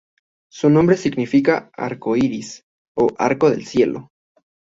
Su nombre significa "Arco Iris" o "Arco del Cielo".